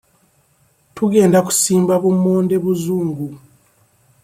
Tugenda kusimba bummonde buzungu.